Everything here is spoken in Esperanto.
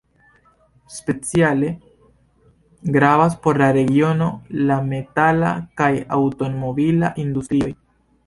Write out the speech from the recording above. Speciale gravas por la regiono la metala kaj aŭtomobila industrioj.